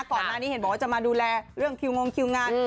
ก่อนหน้านี้เห็นบอกว่าจะมาดูแลเรื่องคิวงงคิวงาน